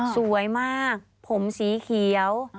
สวยมากผมสีเขียว